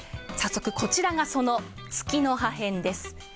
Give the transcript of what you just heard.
早速こちらがその月乃破片です。